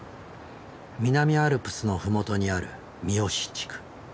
南アルプスの麓にある三義地区。